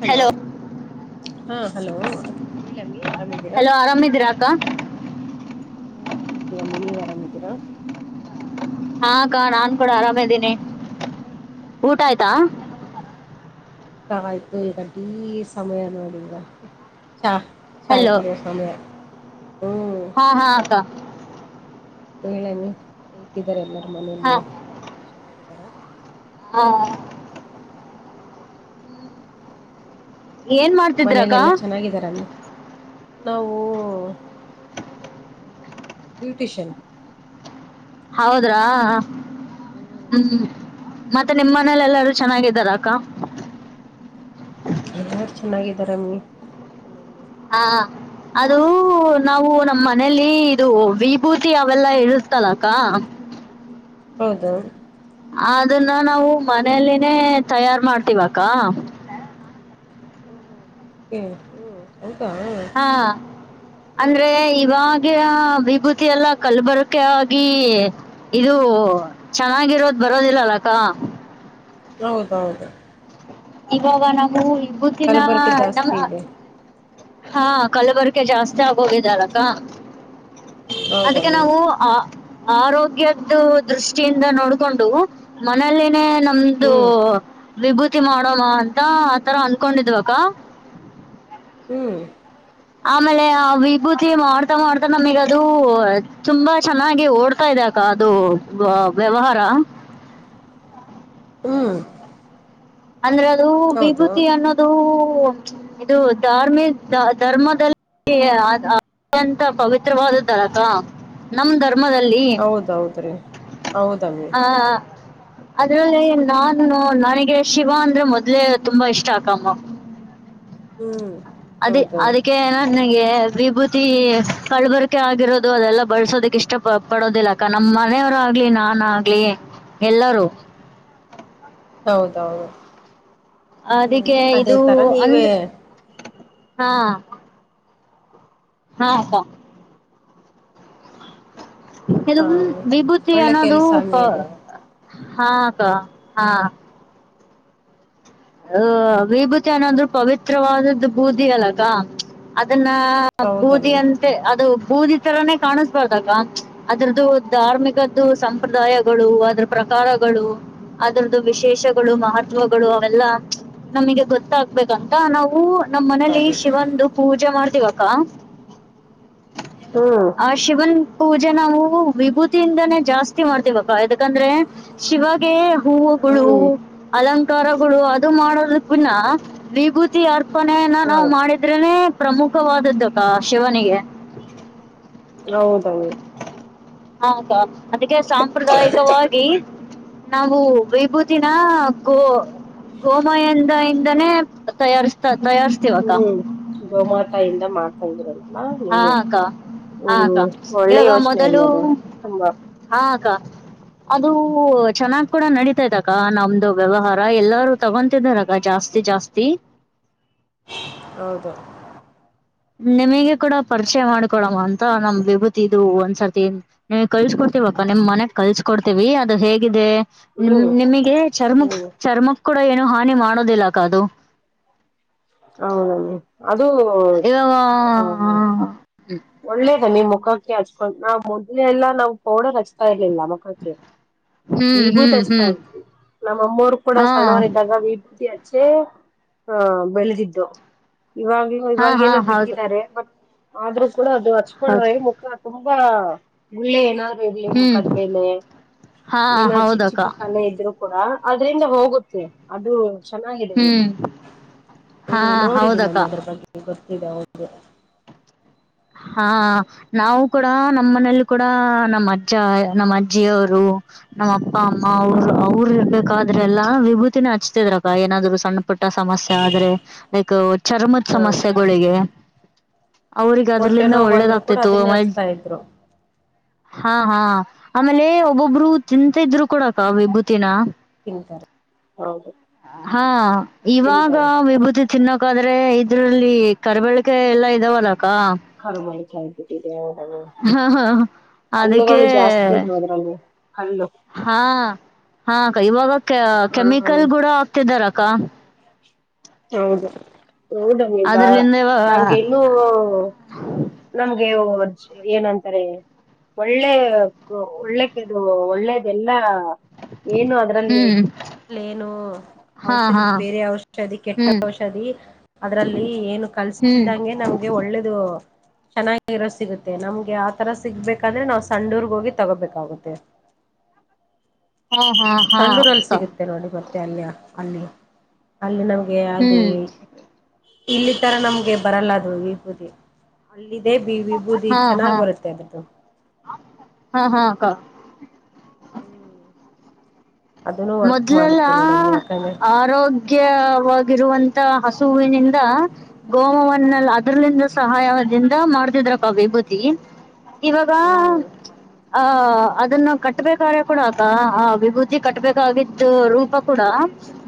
Hello ಹಾ hello. ಹೇಳಮ್ಮಿ ಆರಾಮಿದ್ದೀರಾ ಹಲೋ ಆರಾಮ್ ಇದೀರಾ ಅಕ್ಕ. ಹ್ಮ್ ಆರಾಮಿದಿವ ನೀವ್ ಆರಾಮ್ದೀರಾ. ಹಾ ಕಾ ನಾನ್ ಕೂಡ ಆರಾಮ್ದೀನಿ ಊಟ ಆಯ್ತಾ. ಹ್ಮ್ ಇಲ್ಲಮ್ಮಿ [unintelligible] ಊಟ ಆಯ್ತು ಈಗ ಟೀ ಸಮಯ ನೋಡಿ ಈಗ ಚಾ ಚಾಯಿ ಹಲೋ ಕುಡಿಯುವ ಸಮಯ ಹ್ಮ್. ಹಾ ಹಾ ಅಕ್ಕ. ಹೇಳಮ್ಮಿ ಹೇಗಿದ್ದಾರೆ ಎಲ್ಲಾರು ಹಾ ಮನೆಯಲ್ಲಿ ಎಲ್ಲ ಎಲ್ಲರು ಚೆನ್ನಾಗಿದಾರ. ಹಾ ಏನ್ ಮಾಡ್ ಮನೇಲೆಲ್ಲ ಚೆನ್ನಾಗಿದಾರಮ್ಮಿ ನಾವು ಬ್ಯೂಟಿಷನ್. ಹೌದ್ರಾ ಹ್ಮ್. ಮತ್ತೆ ನಿಮ್ಮ್ ಮನೇಲ ಎಲ್ಲಾರೂ ಚೆನ್ನಾಗಿದ್ದಾರ ಅಕ್ಕ. ಎಲ್ಲಾರ ಚೆನ್ನಾಗಿದರಮ್ಮಿ. ಮನೆಯಲ್ಲಿ. ಹಾ ಅದು ನಾವು ನಮ್ ಮನೆ ಯಲ್ಲಿ ಇದು ವಿಭೂತಿ ಅವೆಲ್ಲಾ ಇರುತಲಕ್ಕ. ಹೌದು. ಅದನ್ನ ನಾವು ಮನೆಲಿನೆ ತಯಾರ ಮಾಡತೀವಿ ಅಕ್ಕ. ಹ್ಮ್ ಹ್ಮ್ ಓಕೆ ಹ್ಮ್ ಹೌದ. ಹಾ. ಅಂದ್ರೆ ಇವಾಗಿನ ವಿಭೂತಿ ಎಲ್ಲ ಕಲ್ಬರಕೆ ಆಗಿ. ಇದು ಚೆನ್ನಾಗಿರೋದು ಬರೋದಿಲ್ಲಲ್ಲಕ್ಕ. ಹೌದೌದ. ಇವಾಗ ನಾವು ವಿಭೂತಿನಾ ಕಲಬೆರಕೆ ನಮ್ ಜಾಸ್ತಿ ಅ ಇದೆ ಹಾ ಕಲಬೆರಕೆ ಜಾಸ್ತಿ ಆಗೋಗಿದಲ್ಲಕ್ಕ ಹೌದ ಅದಿಕ್ಕೆ ನಾವು. ಆ ಆರೋಗ್ಯದು ದೃಷ್ಟಿಯಿಂದ ನೋಡ್ಕೊಂಡು. ಮನೆಯಲ್ಲಿನೆ ನಮ್ದು ಹ್ಮ್ ವಿಭೂತಿ ಮಾಡ್ ಮಾಡಮ ಅಂತಾ ಆತರ ಅನ್ನಕೊಂಡಿದವಕ್ಕ. ಹ್ಮ್. ಆಮೇಲೆ ಆ ವಿಭೂತಿ ಮಾಡ್ತ ಮಾಡ್ತ ನಮಿಗದು ತುಂಬಾ ಚೆನ್ನಾಗಿ ಓಡ್ತಾ ಕ ಅದು ವ ವ್ಯವಹಾರ ಹ್ಮ್. ಅಂದ್ರೆ ಅದು ಹೌದು ವಿಭೂತಿ ಅನ್ನೋದು ಇದು ಧಾರ್ಮಿ ಧರ್ಮದಲ್ಲಿ ತಿ ಅ ಅತ್ಯಂತ ಪವಿತ್ರವಾದ ತರಕ [unintelligible] ನಮ್ ಧರ್ಮದಲ್ಲಿ ಹೌದೌದ್ರೀ ಹೌದಮ್ಮಿ ಆ. ಅದ್ರಲ್ಲಿ ನಾನು ನನಗೆ ಶಿವ ಅಂದ್ರೆ ಮೊದ್ಲೆ ತುಂಬಾ ಇಷ್ಟ ಅಕಮ್ಮ ಅದಿ ಹ್ಮ್ ಅದಿ ಹೌದು ಅದಕ್ಕೆ ನನಗೆ ವಿಭೂತಿ ಕಲಬೆರಕೆ ಆಗಿರೋದು ಅದೆಲ್ಲ ಬಾಲ್ಸೋಕ ಇಷ್ಟ. ಪಡೋದಿಲ್ಲ ಅಕ್ಕ ನಮ್ಮ್ ಮನೆಯವರು ಆಗ್ಲಿ ನಾನ ಆಗ್ಲಿ ಎಲ್ಲರೂ. ಹೌದೌದು. ಹ್ಮ್ ಅದಕ್ಕೆ ಅದೇ ಇದು ತರ ನೀವೇ ಅಂದ್ರ ಹಾ. ಹಾ ಅಕ್ಕ. ಇ ಹ ವಿಭೂತಿ ಒಳ್ಳೆ ಅನ್ನೋದು ಕೆಲ್ಸ ಪ ಅಮ್ಮಿ ಅದು ಹಾ ಅಕ್ಕ ಹಾ. ಅ ವಿಭೂತಿ ಅನ್ನೋಂದ್ರು ಪವಿತ್ರವಾದದ್ದು ಬೂದಿ ಅಲಗ ಅದನ್ನ. ಬೂದಿ ಹೌದಮ್ಮಿ ಅಂತೆ ಅದು ಬೂದಿ ತರಾನೇ ಕಾಣಿಸ್ಬಾರ್ದಾಗ ಅದ್ರದ್ದು. ಹ್ಮ್ ಧಾರ್ಮಿಕದ್ದು ಸಂಪ್ರದಾಯಗಳು ಅದ್ರ ಪ್ರಕಾರಗಳು. ಅದ್ರದ್ದು ವಿಶೇಷಗಳು ಹ್ಮ್ ಮಹತ್ವಗಳು ಅವೆಲ್ಲ. ನಮಗೆ ಗೊತ್ತಾಗಬೇಕಂತ ನಾವು ನಮ್ಮ್ ಮನೇಲಿ ಗೊತ್ತಾಗುತ್ತೆ ಶಿವನ್. ಪೂಜೆ ಮಾಡ್ತೀವಕ್ಕ. ಹ್ಮ. ಆ ಶಿವನ್ ಪೂಜೆ ನಾವು ವಿಭೂತಿಯಿಂದಾನೇ ಜಾಸ್ತಿ ಮಾಡ್ತಿವ. ಯದಕಂದ್ರೆ ಶಿವಗೆ ಹೂವುಗಳು ಹ್ಮ್ ಅಲಂಕಾರಗಳು ಅ. ಮಾಡೋದಕ್ಕನ್ನ ವಿಭೂತಿ ಅರ್ಪಣೆಯನ್ನ ಹೌ ನಾವು ಮಾಡಿದ. ಇದ್ರನೆ ಪ್ರಮುಖವಾದದ್ದುಕ್ಕ ಶಿವನಿಗೆ. ಹೌದೌದು. ಹಾ ಅಕ್ಕಾ ಅದಕ್ಕೆ ಸಾಂಪ್ರದಾಯಿಕವಾಗಿ. ನಾವು ವಿಭೂತಿನ ಗೋ ಗೋಮಯಂದ ಇಂದನೇ ತಯಾರಾರ್ಸತವಿ. ತಯಾರ. ಹ್ಮ್ ಗೋಮಾತ ಇಂದ ಮಾಡ್ತಾ ಇದರಲ್ಲ. ಹಾ ನೀಗೆ ಹಾ ಹ್ಮ್ ಅಕ್ಕ ಒಳ್ಳೆ ಇವಾಗ ಯೋಚನೆ ಮೊದಲು ಅಲ್ಲದು ಹಂಬ. ಹಾ ಅಕ್ಕ ಅದು ಚೆನ್ನಾಗ್ ಕೂಡ ನಡೀತೈತ್ ಅ. ಅ ನಮ್ದು ವ್ಯವಹಾರ ಎಲ್ಲಾರೂ ತೊಗೊಂತಿದಾರಕ್ಕ ಜಾಸ್ತಿ ಜಾಸ್ತಿ. ಹೌದು. ನಿಮಗೆ ಕೂಡ ಪರಿಚಯ ಮಾಡ್ಕೊಳಮ್ಮ ಅಂತ ನಮ್ ವಿಭೂತ್ ಇದು ಒಂದ್ಸರ್ತಿ ಏನ್. ನೀ ಕಲ್ಸ್ಕೊಡ್ತಿವಕ್ಕ ನಿಮ್ ಮನೆಗ್ ಕಲ್ಸ್ಕೊಡ್ತೀವಿ ಅದು ಹೇಗಿದೆ. ನಿಮ ಹ್ಮ್ ನಿಮಗೆ ಚರ್ಮಕ್ ಹ್ಮ್ ಚರ್ಮಕ್ ಕೂಡ ಏನು ಹಾನಿ ಮಾಡೋದಿಲ್ಲ ಅದು. ಹೌದ ಅದು ಇವಾಗ ಹ. ಒಳ್ಳೇದ ನಿಮ್ ಮುಖಕ್ಕೆ ಹಚ್ಕೊಂಡು ನಾವ್ ಮೊದ್ಲೆಲ್ಲ ನಾವ್ ಪೌಡರ್ ಹಚ್ತಾ ಇರ್ಲಿಲ್ಲ. ಹ್ಮ್ ವಿಭೂತಿ ಹ್ಮ್ ಹ್ಮ್ ಹಚ್ತಾಇದ್ದಿವಿ ನಮ್ಮಮ್ಮರು ಕೂಡ ಹಾ ಸಣ್ಣವರ ಇದಾಗ ವಿಭೂತಿ. ಚೆ ಆ ಬೆಳೆದಿದ್ದು ಇವಾಗ. ಹಾ ಇವಾಗ ಹಾ ಏನೋ ಹೌದು ಬಿಟ್ಟಿದ್ದಾರೆ ಮ ಆದ್ರು ಕೂಡ ಅದು ಹೌದು ಹಚ್ಕೊಂಡ್ರೆ ಮುಖ. ತುಂಬ ಗುಳ್ಳೆನಾದ. ಇರ್ಲಿ ಹ್ಮ್ ಮುಕದ್ಮೇಲೆ ಹಾ ಏನ ಚಿಕ್ಕ ಹೌದಕ್ಕ ಚಿಕ್ಕ ಕಲೆ ಇದ್ರು. ಕೂಡ ಅದ್ರಿಂದ ಹೋಗುತ್ತೆ ಅದು. ಚೆನ್ನಾಗಿದೆ ಹ್ಮ್ ಹಾ ಹ್ಮ್ ನೋಡಿದ್ದಿನೀ ಹೌದಕ್ಕ ನಾನ್ ಅದ್ರ ಬಗ್ಗೆ ಗೊತ್ತಿದೆ ಹೌದು. ಹಾ. ನಾವು ಕೂಡ ನಮ್ಮ ಮನೇಲಿ ಕೂಡ ನಮ್ಮ ಅಜ್ಜ ನಮ್ಮ ಅಜ್ಜಿಯವರು ನಮ್ಮ. ಅ ಅಮ್ಮ ಹ್ಮ್ ಅವರು ಅವರು ಇರ್ ಬಬೇಕಾದ್ರೆಲ್ಲ ವಿಭೂತಿನ ಹಚ್ತಿದ್ರಕ್ಕ ಏನಾದ್ರು ಸಣ್ಣ. ಪುಟ್ಟ ಸಮಸ್ಯೆ ಆದ್ರೆ ಲೈಕ್ ಚರ್ಮದ ಹ ಸಮಸ್ಯೆಗಳಿಗೆ ಅವ್ರಿಗ. ಈಗ ಹೊಟ್ಟೆ ಅದ್ರಲಿಂದ ನೋವು ಒಳ್ಳೇದ ಬಂದ್ರು ಕೂಡ ಆಗ್ತಿತ್ತು. ಅದನ್ನೇ ಹಚ್ತಾ ಇದ್ರು ಹಾ ಹಾ ಆಮೇಲೆ ಒಬ್ಬೊಬ್ರು ತಿಂತ ಇದ್ರು ಕೂಡಕ್ಕ ವಿಭೂತಿನ. ತಿಂತಾರೆ ಹೌದು. ಹಾ ಇವಾಗ ತಿಂತಾರೆ ವಿಭೂತಿ. ತಿನ್ನಕಾದ್ರೆ ಇದ್ರಲ್ಲಿ ಕರಿಬಳ್ಕೆ ಎಲ್ಲಾ ಇದಾವ ಅಲಕ್ಕ. ಕರಿಬೋಯಿ ಕಾಯಿ ಬಿಟ್ಟಿದೀಯಾ [unintelligible] ಹಾ ಹಾ ಅದಕ್ಕೆ. ಜಾಸ್ತಿ ಇದ್ವು ಅದ್ರಲ್ಲಿ ಕಲ್ಲು ಹಾ ಹಾ ಅಕ್ಕ ಇವಾಗ ಕ ಹ್ಮ್ ಕೆಮಿಕಲ್ ಗೂಡ ಆಗ್ತಿದಾರಕ್ಕ. ಹೌದ ಹೌದ ಬಾ ಅದ್ರಲಿಂದ ಇವಾಗ ನನ್ನಗೂ ಇನ್ನು. ನಮ್ಗೆ ವರ್ಜ ಏನಂತಾರೆ. ಒಳ್ಳೆಕು ಒಳ್ಳೆಕದು ಒಳ್ಳೇದೆಲ್ಲ. ಏನು ಅದ್ರಲ್ಲಿ ಹ್ಮ್ ಏನು ಹಾ ಔಷಧಿ ಹಾ ಬೇರೆ ಔಷಧಿ. ಕೆಟ್ಟ ಹ್ಮ್ ಔಷಧಿ ಅದ್ರಲ್ಲಿ ಏನು ಹ್ಮ್ ಕಲ್ಸಲ್ದಂಗೆ ನಮ್ಗೆ ಒಳ್ಳೇದು. ಚೆನ್ನಾಗಿರೋ ಸಿಗುತ್ತೆ ನಮ್ಗೆ ಆಥರ ಸಿಗ್ಬೇಕಾದ್ರೆ ನಾವು ಸಂಡೂರ್ಗ ಹೋಗಿ ತೊಗೋಬೇಕಾಗುತ್ತೆ. ಹಾ ಹಾ. ಹಾ ಸಂಡೂರಲ್ಲಿ ಅಕ್ಕ ಸಿಗುತ್ತೆ ನೋಡಿ ಮತ್ತೆ ಅಲ್ಲಿಯ ಅಲ್ಲಿ ಅಲ್ಲಿ ಎ ಅಲ್ಲಿ ಹ್ಮ್ ಇಲ್ಲಿ ತರ ನಮ್ಗೆ ಬರಲ್ಲ ಅದು ವಿಭೂತಿ. ಅಲ್ಲಿದೆೇ ಬಿ ವಿ ಬೂದಿ ಹಾ ಹಾ ಚೆನ್ನಾಗ್ ಬರುತ್ತೆ ಅದು. ಹಾ ಹಾ ಅಕ್ಕ. ಹ್ಮ್ ಅದನ್ನು ವರ್ಕ್ ಮೊದ್ಲೆಲ್ಲ ಮಾಡುತ್ತೆ ನೋಡಿ ಎಮ್ಮಿ ಯಾಕಂದ್ರೆ. ಆರೋಗ್ಯವಾಗಿರುವಂತ ಹಸುವಿನಿಂದ. ಗೋಮವನ್ನೆಲ್ಲ ಅದ್ರಲಿಂದ ಸಹಾಯದಿಂದ ಮಾಡ್ತಿದ್ರಕ್ಕ ವಿಭೂತಿ. ಇವಾಗ ಹ್ಮ್ ಅ ಅದನ್ನು ಕಟ್ಟ. ಕಟ್ಬೇಕಾದ್ರೆ ಕೂಡ ಅಕ್ಕಾ ಆ ವಿಭೂತಿ ಕಟ್ಬೇಕಾಗಿದ್ದು ರೂಪ ಕೂಡ.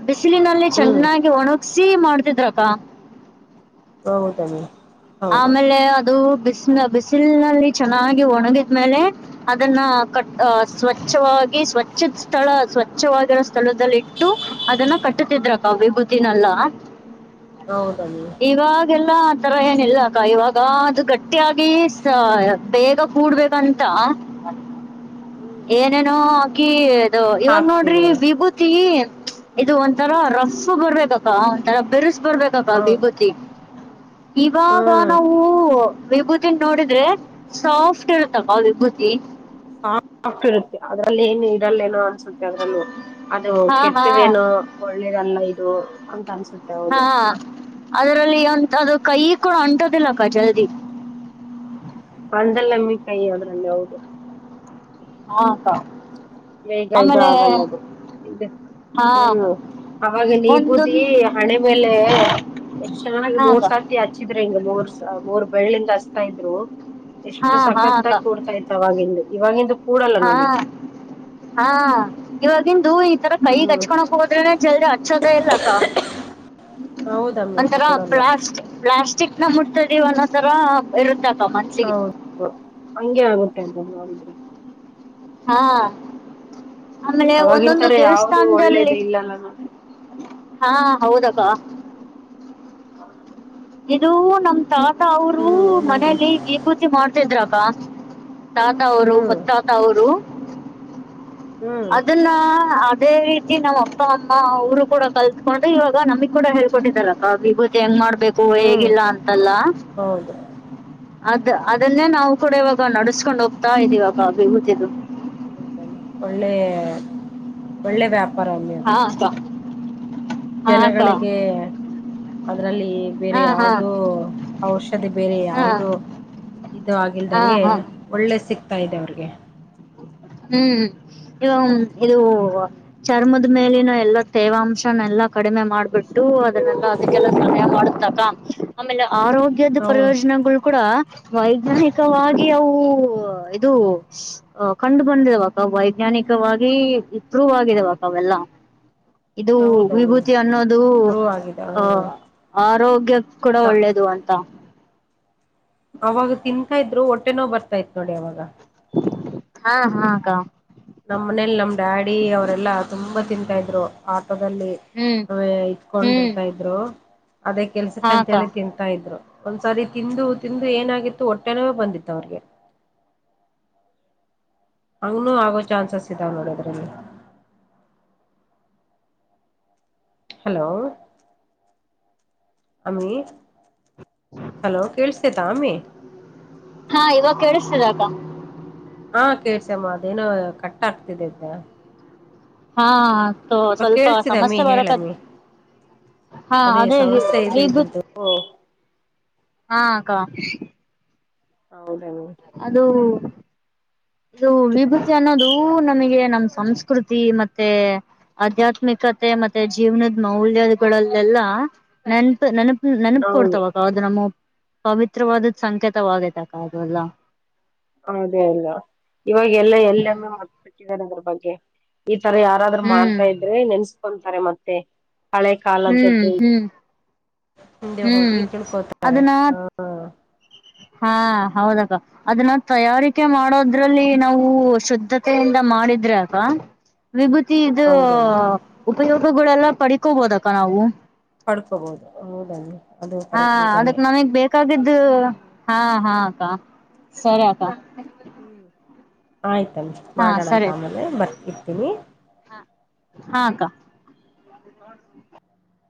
ಬಿಸಿಲಿನಲ್ಲಿ ಹ್ಮ್ ಚೆನ್ನಾಗಿ ಒಣಗ್ಸಿ ಮಾಡ್ತಿದ್ರಕ್ಕ. ಹೌದನ್ನ. ಆಮೇಲೆ ಅದು ಬಿಸಿಲ ಬಿಸಿಲಲ್ಲಿ ಚೆನ್ನಾಗಿ ಒಣಗಿದ್ಮೇಲೆ. ಅದನ್ನ ಕಟ್ ಸ್ವಚ್ಛವಾಗಿ ಸ್ವಚ್ಛ ಸ್ಥಳ ಸ್ವಚ್ಛವಾದ. ಸ್ಥಳದಲ್ಲಿ ಇಟ್ಟು ಅದನ್ನ ಕಟ್ಟತಿದ್ರಕ್ಕ ವಿಭೂತಿನಲ್ಲವ. ಹೌದಂದೆ. ಇವಾಗೆಲ್ಲಾ ಆ ತರ ಇಲ್ಲಾಕ್ಕ ಇವಾಗ ಅದು ಗಟ್ಟಿಯಾಗಿ ಬೇಗ ಕೂಡ್ಬೇಕಂತ. ಹ್ಮ್ ಏನೇನೋ ಆಕಿ ಅದು ಇವಾಗ ನೋಡ್ರಿ ಹಾಕ್ತಿದ್ದಾರೆ ವಿಭೂತಿ. ತಿ ಇದು ಒಂತರ ರುಫ್ ಬರ್ಬೇಕಕ್ಕ ಒಂತರ ಬಿರ್ಸ ಬರ್ಬೇಕಕ್ಕ ಹೌದು ವಿಭೂತಿ. ಇವಾಗ ಹ್ಮ್ ನಾವು ವಿಭೂತಿನ ನೋಡಿದ್ರೆ ಸಾಫ್ಟ್ ಇರುತ್ತಕ್ಕ ವಿಭೂತಿ. [unintelligible] ಅದ್ರಲ್ಲಿ ಏನು ಇರಲ್ಲೇನೋ ಅನ್ಸೆ ಅದ್ರಲ್ಲೂ ಅದು ಹಾ ಹಾ ಕೆಟ್ಟದೇನು ಒಳ್ಳೇದಲ್ಲ ಇದು ಅಂತ ಅನ್ಸುತ್ತೆ. ಹಾ ಹೌದು ಅದರಲ್ಲಿ ಅಂತದು ಅದು ಕೈ ಕೂಡ ಅಂಟೋದಿಲ್ಲಕ್ಕ ಜಲ್ದಿ. ಅಂದಲ್ಲಮೀ ಕೈ ಅದ್ರಲ್ಲಿ ಹೌದು. ಹಾ ಅಕ್ಕಾ. ಬೇಗ ಇದು ಆಗಲ್ಲದು ಇದ. ಹಾ ಹ್ಮ್ ಅವಾಗಲಿ ವಿಭೂತಿ ಒಂದೊಂದ್ ಹಣೆ ಮೇಲೆೆ. ಎಷ್ಟು ಚೆನ್ನಾಗಿ ಹಾ ಅಕ್ಕ [unintelligible] ಹಚ್ಚಿದ್ರೆ ಹಿಂಗೆ ಮೂರ್ ಮೂರ್ ಬೆಳ್ಳಿಂದ ಹಚ್ತಾ ಇದ್ರು ಹಾ ಎಷ್ಟು ಹಾ ಅಕ್ಕ ಸಖತಗಿ ಕೂಡ್ತಾ ಇದ ಅವಾಗಿಂದು ಇವಾಗಿಂದು. ಕೂಡಲ್ಲ ಹಾ ನೋಡಿ ಹಾ ಇವಾಗಿಂದು ಇ ಈಥರ ಕೈಗೆ ಹ್ಮ್ ಅಚ್ಕೋನೇಕ ಹೋದ್ರನೆ ಜಲ್ದಿ ಹಚ್ಚೋದನೆ ಇಲ್ಲಕ್ಕ. ಹೌದಮ್ಮಿ ಒಂಥರ ಕೂಡಲ್ಲ ಪ್ಲಾಸ್ಟ ಪ್ಲಾಸ್ಟಿಕನ ಮುಟದೀ ಒಂದಂದ ತರ ಇರುತ್ತಕ್ಕ ಮ ಹಾ ಹಂಗೆ ಆಗುತ್ತೆ ಅಂತ ನೋಡಿದ್ರೆ. ಹಾ ಆಮೇಲೆ ಅವಾಗಿನ್ ಒಂದೊಂದು ತರ ಯಾವ್ದು ಒಳ್ಳೇದು ದೇವಸ್ಥಾನದಲ್ಲಿ. ಇಲ್ಲಲ್ಲ ಮ್ಯಾಮ್. ಹಾ ಹೌದಕ್ಕ. ಹಾ [inaudible] ಇದು ನಮ ತಾತ ಅವರು ಒಂದೊಂದೇ ಮನೇಲಿ ವಿಭೂತಿ ಮಾಡ್ತಿದ್ರಾಗ. ತಾತ ಅವರು ಹ್ಮ್ ಹೊತ್ತಾತ ಅವರು ಹ್ಮ್ ಅದನ್ನ ಅದೇ ರೀತಿ. ನಮ್ಮ ಅಪ್ಪ ಅಮ್ಮ ಅವರು ಕೂಡ ಕಲ್ತ್ಕೊಂಡ್ರೆ ಇವಾಗ ನಮಗ್ ಕೂಡ ಹೇಳ್ಕೊಂಡಟ್ಟಿದ್ದಲ್ಲ ಕ ವಿಭೂತಿ ಹೆಂಗ್ ಮಾಡ್ಬೇಕು. ಹೂ ಹ್ಮ್ ಹೇಗಿಲ್ಲ ಅಂತಲ್ಲ. ಹೌದು. ಅದ ಹ್ಮ್ ಅದನ್ನೇ ನಾವು ಕೂಡ ಇವಾಗ ನಡ್ಸ್ಕೊಂಡ್ ಹೋಗ್ತಾ ಇದೀವಾಗ ವಿಭೂತಿದ. ಒಳ್ಳೆ ಒಳ್ಳೆ ವ್ಯಾಪಾರ ಅದು. ಹಾ ಅಕ್ಕ ಹಾ ಅಕ್ಕ ಜನಗಳಿಗೆ. ಅದ್ರಲ್ಲಿ ಬೇರೆ ಹಾ ಹಾ ಯಾವ್ದೋ ಔಷಧಿ ಬೇರೆ ಹಾ ಯಾವ್ದೋ. ಇದು ಹಾ ಆಗಿಲ್ದಂಗೆ ಹಾ ಒಳ್ಳೆ ಸಿಗ್ತಾ ಇದೆ ಅವ್ರಿಗೆ. ಹ್ಮ್ ಇವ ಇದು. ಹ್ಮ್ ಚರ್ಮದ ಮೇಲಿನ ಎಲ್ಲಾ ತೇವಾಂಶನೆ ಎಲ್ಲಾ ಕಡಿಮೆ ಮಾಡ್ಬಿಟ್ಟು. ಅದನ್ನೆ ಅದಕ್ಕೆಲ್ಲ ಸಹಾಯ ಮಾಡತಕ ಆಮೇಲೆ ಆರೋಗ್ಯದ ಹೌದು ಪ್ರಯೋಜನಗಳು ಕೂಡ. ವೈಜ್ಞಾನಿಕವಾಗಿ ಅವು ಇದು. ಕಂಡು ಬಂದಿದಾವಕ್ಕ ವೈಜ್ಞಾನಿಕವಾಗಿ ಇಪ್ರೂವ್ ಆಗಿದಾವಕ್ಕ ಅವೆಲ್ಲ. ಇದು ಹೌದಮ್ಮಿ ವಿಭೂತಿ ಅನ್ನೋದು ಪ್ರೂವ್ ಆಗಿದೆ ಅಹ. ಹ. ಆರೋಗ್ಯ ಕೂಡ ಒಳ್ಳೇದು ಅಂತ. ಅವಾಗ ತಿನ್ಂತಾ ಇದ್ರು ಒಟ್ಟೆನೋ ಬರ್ತಾ ಇತ್ ನೋಡಿ ಅವಾಗ. ಹಾ ಹಾ ಅಕ್ಕಾ. ನಮ್ಮ್ ಮನೇಲಿ ನಮ್ ಡ್ಯಾಡಿ ಅವರೆಲ್ಲಾ ತುಂಬಾ ತಿಂತಾ ಇದ್ರು ಆಟೋದಲ್ಲಿ. ಹ್ಮ್. ಹ್ಮ್ ಇಕೊಂಡಿರ್ತಾ ಇದ್ರು ಅದೇ ಕೆಲ್ಸಕ್ ಹಾ ಅಕ್ಕ ಅಂತೇಳಿ ತಿ. ತಾ ಇದ್ರು ಒಂದ್ಸಾರಿ ತಿಂದು ತಿಂದು ಏನಾಗಿತ್ತು ಒಟ್ಟೆನೇ ಬಂದಿತ್ತು ಅವ್ರಿಗೆ. ಹಂಗನುೂ ಆಗೋ ಚಾನ್ಸಸ್ ಇದಾವ ನೋಡೋದ್ರಲ್ಲಿ. ಹಲೋ. ಅಮ್ಮಿ ಹಲೋ ಕೇಳಿಸುತೈತಾ ಅಮ್ಮಿ. ಹಾ ಇವಾಗ ಕಳಿಸ್ತಾ ಇಲ್ಲ ಅಕ್ಕ. ಹಾ ಕೇಳಿಸ್ತಾ ಇದೆ ಅಮ್ಮ ಅದೇನೋ ಕಟ್ಟ ಆಗ್ತಿದೆ್ದ. ಹಾ ಇವಾಗ ಸ್ವಲ್ಪ ಕೇಳ್ಸಿದಮ್ಮಿ ಸಮಸ್ಯೆ ಬರಕಾದ. ಹೇಳಮ್ಮಿ ಹಾ ಅದೇ ಸಮಸ್ಯೆ ಇದೆ ಇದ್ರದ್ದು ಓ ಹಾ ಅಕ್ಕಾ. ಹೌದೌ. ಅದು. ಇದು ವಿಭೂತಿ ಅನ್ನೋದು ನಮಗೆ ನಮ ಸಂಸ್ಕೃತಿ ಮತ್ತೆ. ಆಧ್ಯಾತ್ಮಿಕತೆ ಮತ್ತೆ ಜೀವನದ ಮೌಲ್ಯಗಳಲ್ಲೆಲ್ಲಾ ನೆನ್ಪ ನನಪ. ನೆನಪ ಹೌದು ಕೊಡ್ತಾವವಕ್ಕ ಅ್ರ ನಮ್ಮ ಪವಿತ್ರವಾದದ್ ಸಂಕೇತವಾಗತೆಕ್ಕ ಅ್ರಲ್ಲ. ಅದೇ ಅಲ್ಲ ಇವಾಗ ಎಲ್ಲ ಹ್ಮ್ ಎಲ್ಲೊಮ್ಮೆ ಮತ್ತ ಬಿಟ್ಟಿದ್ದಾರೆ ಅದ್ರ ಬಗ್ಗೆ. ಈ ತರ ಯಾರಾದ್ರರು ಮಾಡ್ತಾ ಹ್ಮ್ ಇದ್ರೆ ನೆನ್ಸ್ಕೊಂತಾರೆ ಮತ್ತೆ. ಹಳೆ ಕಾಲದ ಹ್ಮ್ ಜೊತೆ ಹ್ಮ್ ಹಿಂದೆ ಹೋಗಿ ಹ್ಮ್ ಈ ತಿಳ್ಕೋತಾರೆ ಅದನ್ನ ಹ. ಹಾ ಹೌದ ಅಕ್ಕಾ. ಅದನ್ನ ತಯಾರಿಕೆ ಮಾಡೋದ್ರಲ್ಲಿ ನಾವು ಶುದ್ಧತೆಯಿಂದ ಮಾಡಿದ್ರೆ ಅಕ್ಕಾ. ವಿಭೂತಿ ಇದು ಹೌದನ್ನಿ ಉಪಯೋಗಗಳೆಲ್ಲ ಪಡ್ಕೋಬೋದಕ್ಕ ನಾವು. ಪಡ್ಕೋಬಹುದು ಹೌದ ಅದು ಕರೆಕ್ ನಿಜಾನೇ. ಕಕ್ಕಾಗಿದ್ದು ಹ್ಮ್ ಹಾ ಹಾ ಅಕ್ಕ ಸರಿ ಅಕ್ಕ ಹ್ಮ್ ಆಯ್ತನ್ ಹಾ ಮಾಡೋಣಂತ ಆಮೇಲೆ ಬರ್ ಇರ್ತೀನಿ ಹಾ ಹಾ ಅಕ್ಕ